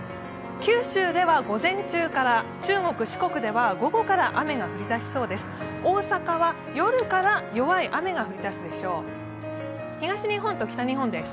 九州では午前中から中国、四国では午後から雨が降り出しそうです。